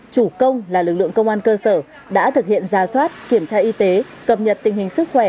chủ công là lực lượng công an cơ sở đã thực hiện ra soát kiểm tra y tế cập nhật tình hình sức khỏe